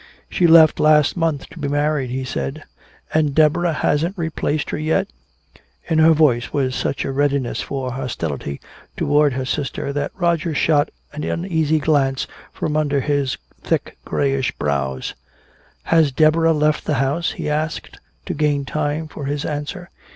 "She left last month to be married," he said. "And Deborah hasn't replaced her yet?" In her voice was such a readiness for hostility toward her sister, that Roger shot an uneasy glance from under his thick grayish brows. "Has Deborah left the house?" he asked, to gain time for his answer.